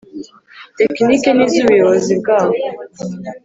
Tekinike n’izubuyobozi bwawo.